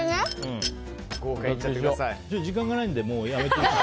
時間がないんでもうやめてもらって。